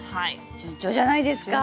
順調じゃないですか。